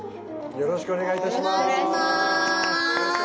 よろしくお願いします。